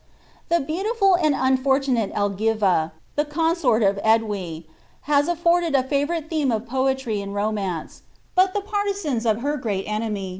The t>eautiful and unfortunate Elgiva, the consort of Edwy, has afforded a favourite th#»me for poetry and romance ; but the partisans of her great enemy.